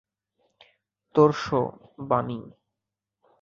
তোর শো, বানি।